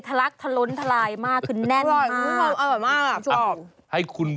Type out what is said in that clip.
ไซส์ลำไย